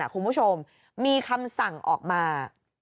คุณผู้ชมมีคำสั่งออกมา